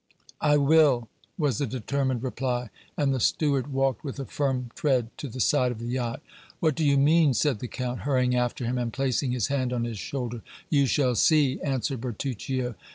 "I will!" was the determined reply, and the steward walked with a firm tread to the side of the yacht. "What do you mean?" said the Count, hurrying after him and placing his hand on his shoulder. "You shall see!" answered Bertuccio.